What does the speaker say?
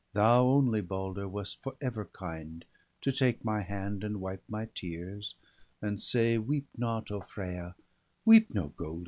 Thou only. Balder, wast for ever kind, To take my hand, and wipe my tears, and say : I 'JO BALDER DEAD. Weep not, Freya, weep no golde?